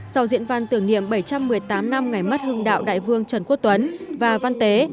sau diễn văn tưởng niệm bảy trăm một mươi tám năm ngày mất hương đạo đại vương trần quốc tuấn và văn tế